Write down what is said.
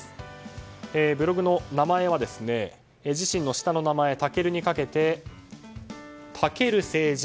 ブログの名前は自身の下の名前、赳にかけて猛る政治！